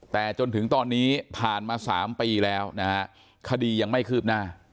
แต่จนถึงตอนนี้ผ่านมา๓ปีแล้วนะฮะคดียังไม่คืบหน้า